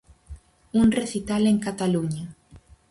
Un recital en Cataluña.